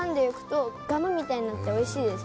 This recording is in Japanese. みたいになっておいしいです